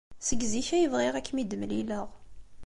Seg zik ay bɣiɣ ad kem-id-mlileɣ.